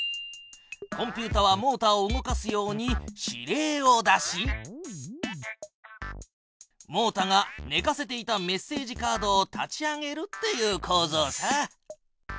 コンピュータはモータを動かすように指令を出しモータがねかせていたメッセージカードを立ち上げるっていうこうぞうさ。